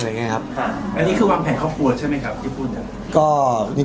อันนี้คือวางแผนครอบครัวใช่ไหมครับที่พูดครับ